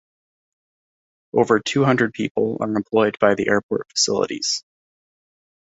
Over two hundred people are employed by the airport facilities.